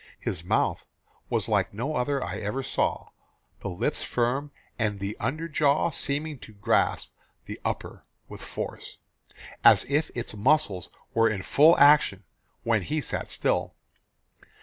His mouth was like no other I ever saw: the lips firm, and the under jaw seeming to grasp the upper with force, as if its muscles were in full action when he sat still."